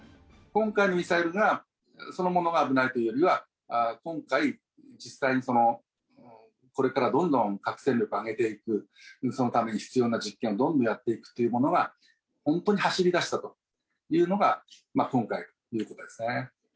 今回のミサイルそのものが危ないというよりは、今回、実際にこれからどんどん核戦力を上げていく、そのために必要な実験をどんどんやっていくというのが、本当に走りだしたというのが、今回ということですね。